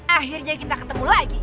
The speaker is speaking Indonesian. akhirnya kita ketemu lagi